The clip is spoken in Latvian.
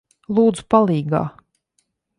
Lūdzu, palīgā!